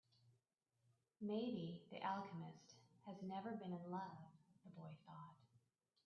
Maybe the alchemist has never been in love, the boy thought.